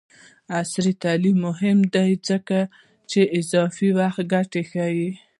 عصري تعلیم مهم دی ځکه چې د اضافي واقعیت ګټې ښيي.